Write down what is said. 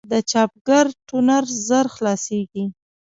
د چاپګر ټونر ژر خلاصېږي.